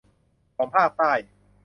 ของภาคใต้